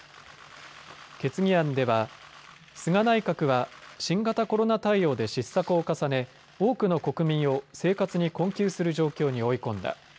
決議案では、菅内閣は新型コロナ対応で失策を重ね多くの国民を生活に困窮する状況に追い込んだ。